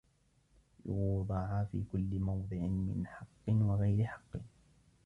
يُوضَعَ فِي كُلِّ مَوْضِعٍ مِنْ حَقٍّ وَغَيْرِ حَقٍّ